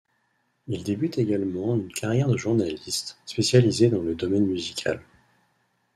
Il débute également une carrière de journaliste, spécialisé dans le domaine musical.